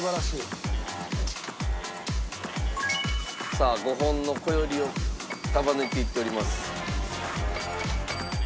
さあ５本のこよりを束ねていっております。